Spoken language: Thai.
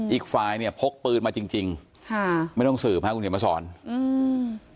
อีกฝ่ายเนี้ยพกปืนมาจริงจริงค่ะไม่ต้องสืบค่ะคุณเขียนมาสอนอืม